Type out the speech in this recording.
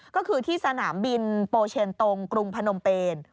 ก็คือที่สนามบินโปเชนตรงกรุงพนมเปน